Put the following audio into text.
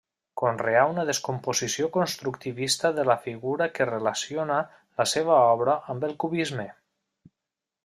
Conreà una descomposició constructivista de la figura que relaciona la seva obra amb el cubisme.